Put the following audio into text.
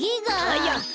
はやく！